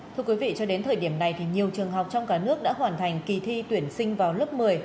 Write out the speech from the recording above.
thưa quý vị cho đến thời điểm này thì nhiều trường học trong cả nước đã hoàn thành kỳ thi tuyển sinh vào lớp một mươi